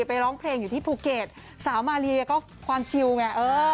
ร้องเพลงอยู่ที่ภูเก็ตสาวมาเลียก็ความชิวไง